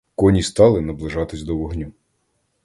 Коні стали наближатись до вогню.